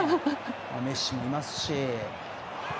メッシもいますし。